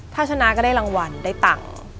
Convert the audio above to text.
ถ้าชนะก็ได้รางวัลได้ตังค์